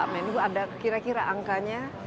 menurut anda kira kira angkanya